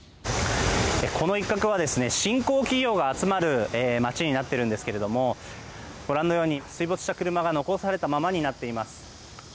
この一角は新興企業が集まる街になってるんですけどもご覧のように水没した車が残されたままになっています。